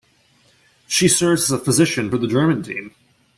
She serves as a physician for the German team.